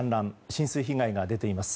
浸水被害が出ています。